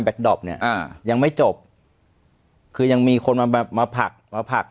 ดอปเนี้ยอ่ายังไม่จบคือยังมีคนมาแบบมาผักมาผัก